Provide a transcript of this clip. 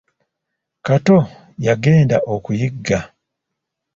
Kato yagenda okuyigga.